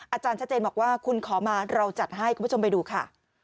อาจารย์ชัดเจนบอกว่าคุณขอมาเราจัดให้คุณผู้ชมไปดูค่ะ